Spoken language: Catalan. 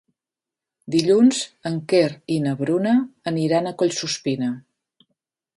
Dilluns en Quer i na Bruna aniran a Collsuspina.